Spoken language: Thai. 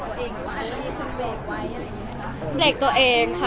เป็นไปตัวเองค่ะ